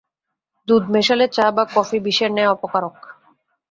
দুধ মেশালে চা বা কাফি বিষের ন্যায় অপকারক।